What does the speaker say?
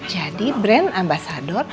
jadi brand ambasador